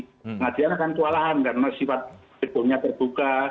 pengadilan akan kewalahan karena sifat gedungnya terbuka